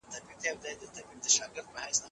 ښوونځې لوستې میندې د ماشومانو د پوستکي پاکوالی ساتي.